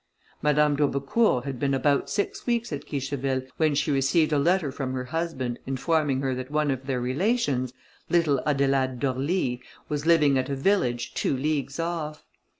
Madame d'Aubecourt had been about six weeks at Guicheville, when she received a letter from her husband, informing her that one of their relations, little Adelaide d'Orly, was living at a village two leagues off.